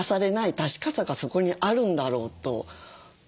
確かさがそこにあるんだろうという。